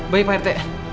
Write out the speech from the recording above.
baik pak rt